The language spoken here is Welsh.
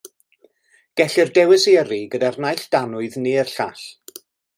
Gellir dewis ei yrru gyda'r naill danwydd neu'r llall.